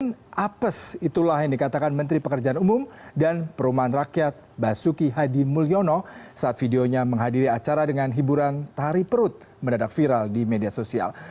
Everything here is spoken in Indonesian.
dan apes itulah yang dikatakan menteri pekerjaan umum dan perumahan rakyat basuki hadi mulyono saat videonya menghadiri acara dengan hiburan tari perut mendadak viral di media sosial